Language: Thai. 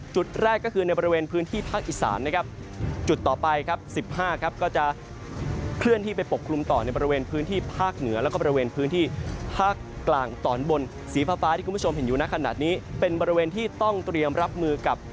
จุดแรกก็คือในบริเวณพื้นที่ภาคอิสานนะครับ